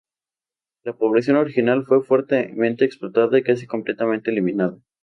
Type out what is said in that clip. La población original fue fuertemente explotada y casi completamente eliminada.